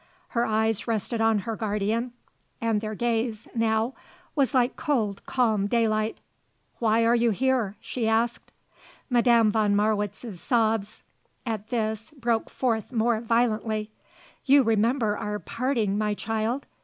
Her eyes rested on her guardian and their gaze, now, was like cold, calm daylight. "Why are you here?" she asked. Madame von Marwitz's sobs, at this, broke forth more violently. "You remember our parting, my child!